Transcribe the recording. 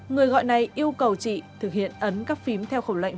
người gọi này yêu cầu chị thực hiện ấn các phím theo khẩu lệnh